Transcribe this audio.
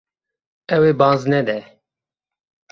Ew ê baz nede.